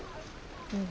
うん。